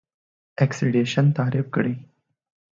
اکسیدیشن تعریف کړئ.